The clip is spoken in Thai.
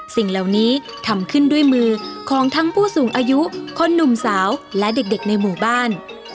สิ่งเหล่านี้ทำขึ้นด้วยมือของทั้งผู้สูงอายุคนหนุ่มสาวและเด็กในหมู่บ้าน